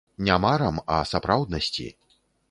Не марам, а сапраўднасці.